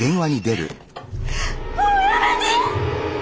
もうやめて！